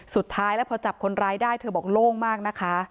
สุดท้ายแล้วพอจับคนร้ายได้เธอบอกโล่งมากนะคะ